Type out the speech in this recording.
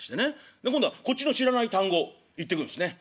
で今度はこっちの知らない単語言ってくんすね。